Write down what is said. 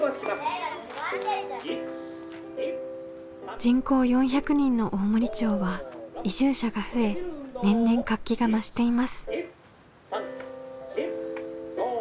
人口４００人の大森町は移住者が増え年々活気が増しています。